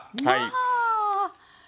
はい。